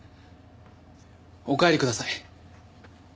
お帰りください。